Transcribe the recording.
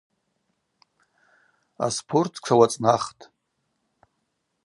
Аспорт тшауацӏнахтӏ.